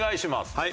はい。